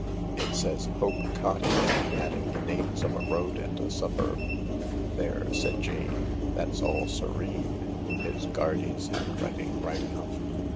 It said " Hope Cottage," adding the names of a road and a suburb. "There," said Jane, "that's all serene. It's Guardy's handwriting right enough.